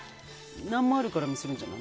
何もあるからミスるんじゃない。